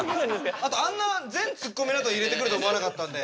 あとあんな全ツッコミのあと入れてくると思わなかったんで。